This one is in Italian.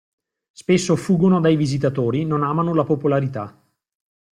Spesso fuggono dai visitatori non amano la popolarità.